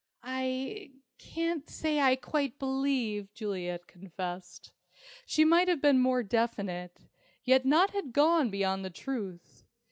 "I can't say I quite believe," Juliet confessed. She might have been more definite, yet not have gone beyond the truth.